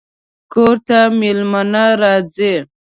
کور ته مېلمانه راځي